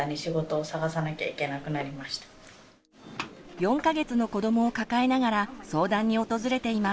４か月の子どもを抱えながら相談に訪れています。